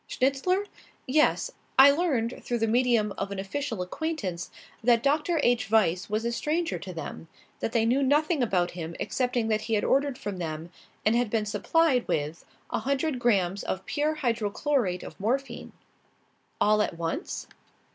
"Schnitzler? Yes. I learned, through the medium of an official acquaintance, that Dr. H. Weiss was a stranger to them; that they knew nothing about him excepting that he had ordered from them, and been supplied with, a hundred grammes of pure hydrochlorate of morphine." "All at once?"